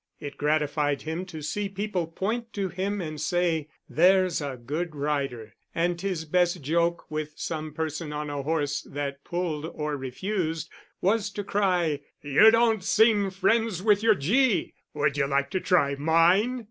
It gratified him to see people point to him and say, "There's a good rider:" and his best joke with some person on a horse that pulled or refused, was to cry: "You don't seem friends with your gee; would you like to try mine?"